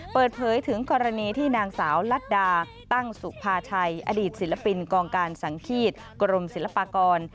เปิดเผยถึงกรณีที่นางสาวลัดดาตั้งสุภาชัยอดีตศิลปินกองการสังฆีตกรมศิลปากร